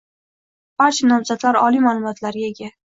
Barcha nomzodlar oliy ma'lumotga ega